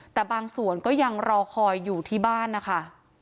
แต่บางส่วนก็ยังรอคอยอยู่ที่บ้านนะคะ